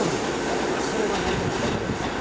あのそれは何となく分かるんですよ。